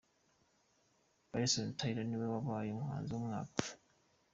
Bryson Tiller niwe wabaye umuhanzi w'umwaka.